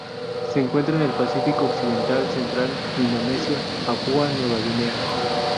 Se encuentra en el Pacífico occidental central: Indonesia y Papúa Nueva Guinea.